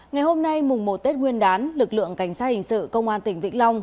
ngày hôm nay mùng một tết nguyên đán lực lượng cảnh sát hình sự công an tỉnh vĩnh long